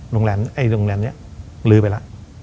นวงแหลนนี้ลือไปแล้ว